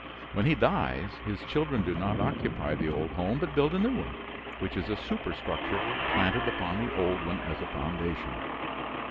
When he dies his children do not occupy the old home, but build a new one, which is a superstructure planted upon the old one as a foundation.